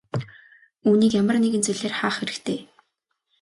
Үүнийг ямар нэгэн зүйлээр хаах хэрэгтэй.